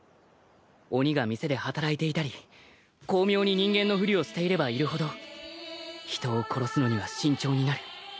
鬼が店で働いていたり巧妙に人間のふりをしていればいるほど人を殺すのには慎重になる。